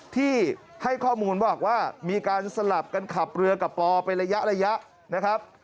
ที่ให้ข้อมูลบอกว่ามีการสลับการขับเรือกับปอไประยะ